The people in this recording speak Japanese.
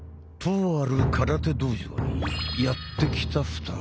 とある空手道場にやって来た２人。